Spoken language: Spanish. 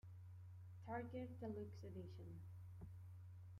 Target Deluxe edition